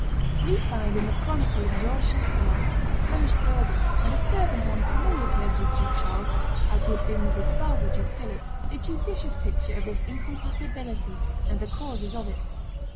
We find in the chronicle of George Chastelain, a Flemish burgher, and a servant on familiar terms with Duke Charles, as he had been with his father, Duke Philip, a judicious picture of this incompatibility and the causes of it.